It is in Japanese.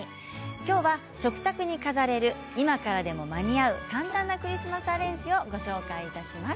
きょうは食卓に飾れる今からでも間に合う簡単なクリスマスアレンジをご紹介いたします。